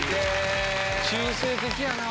中性的やな。